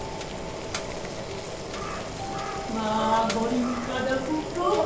まあご立派だこと。